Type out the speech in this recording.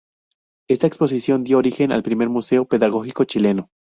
Esta exposición dio origen al primer Museo Pedagógico Chileno.